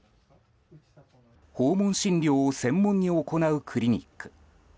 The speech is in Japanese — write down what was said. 訪問診療を専門に行うクリニック。